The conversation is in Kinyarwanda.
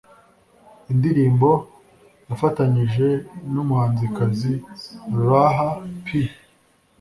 indirimbo yafatanyije n’umuhanzikazi Rah P